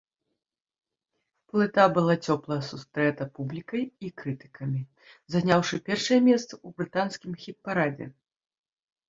Плыта была цёпла сустрэта публікай і крытыкамі, заняўшы першае месца ў брытанскім хіт-парадзе.